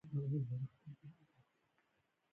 موټر مو باید نه پرلهپسې چټک وچلول شي.